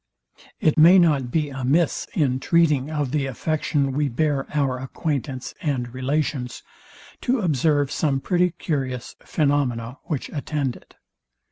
It may not be amiss, in treating of the affection we bear our acquaintance and relations, to observe some pretty curious phaenomena, which attend it.